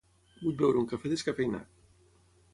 Vull beure un cafè descafeïnat.